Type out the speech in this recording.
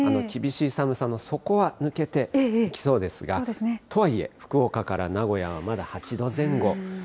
厳しい寒さの底は抜けてきそうですが、とはいえ、福岡から名古屋はまだ８度前後。